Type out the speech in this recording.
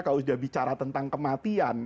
kalau sudah bicara tentang kematian